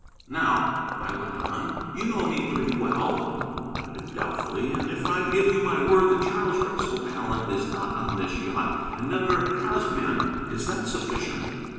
"Now," I went on, "you know me pretty well" (he nodded doubtfully), "and if I give you my word that Charles Wrexell Allen is not on this yacht, and never has been, is that sufficient?"